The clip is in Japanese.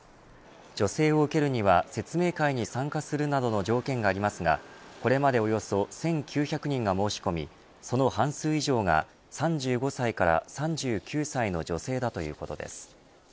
助成を受けるには、説明会に参加するなどの条件がありますがこれまでおよそ１９００人が申し込みその半数以上が３５歳から３９歳の女性だということです。